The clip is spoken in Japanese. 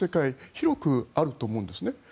広くあると思うんですね。